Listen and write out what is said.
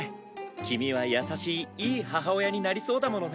君は優しいいい母親になりそうだものね。